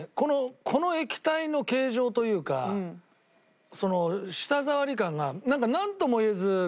この液体の形状というか舌触り感がなんかなんともいえずこう。